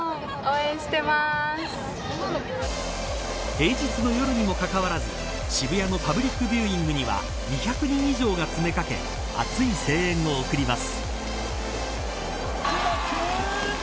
平日の夜にもかかわらず渋谷のパブリックビューイングには２００人以上が詰め掛け熱い声援を送ります。